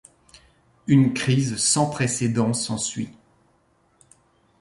Une crise sans précédent s'ensuit.